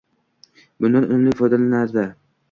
bundan unumli foydalanardi.